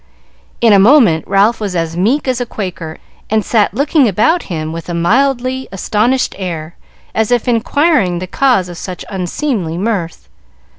In a moment Ralph was as meek as a Quaker, and sat looking about him with a mildly astonished air, as if inquiring the cause of such unseemly mirth.